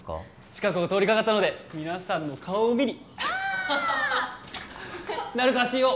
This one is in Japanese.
近くを通りかかったので皆さんの顔を見にあっ成川ＣＥＯ